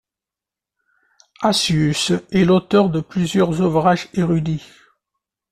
Accius est l'auteur de plusieurs ouvrages érudits.